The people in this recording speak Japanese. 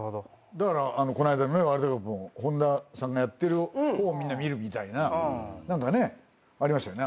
だからこの間のねワールドカップも本田さんがやってる方をみんな見るみたいな何かねありましたよね。